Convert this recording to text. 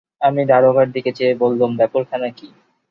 আমি দারোগার দিকে চেয়ে বললুম, ব্যাপারখানা কী?